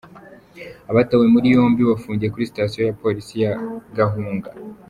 Abatawe muri yombi bafungiye kuri Sitasiyo ya Polisi ya Gahunga.